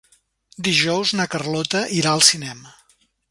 Dijous na Carlota irà al cinema.